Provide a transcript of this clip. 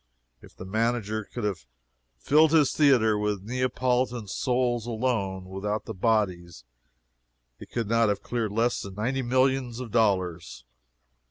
If the manager could have filled his theatre with Neapolitan souls alone, without the bodies, he could not have cleared less than ninety millions of dollars.